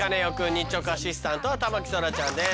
日直アシスタントは田牧そらちゃんです。